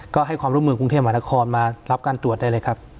ก็ให้ความร่วมมือกรุงเทพมหานครมารับการตรวจได้เลยครับ